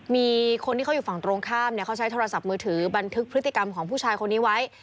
มีคนที่เขาอยู่ฝั่งตรงข้ามเขาใช้โทรศัพท์มือถือบันทึกพฤติกรรมของผู้ชายคนนี้ไว้